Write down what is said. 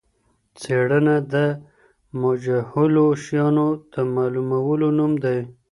څېړنه د مجهولو شیانو د معلومولو نوم دی.